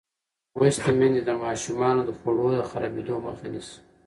لوستې میندې د ماشومانو د خوړو د خرابېدو مخه نیسي.